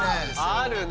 あるね。